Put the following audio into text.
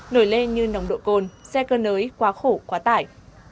nổi lên như nồng độ cồn xe cơ nới quá khổ quá tải